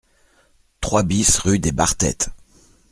trois BIS rue des Barthètes